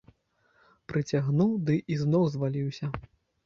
Прыцягнуў ды і з ног зваліўся.